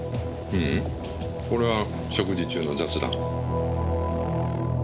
ううんこれは食事中の雑談。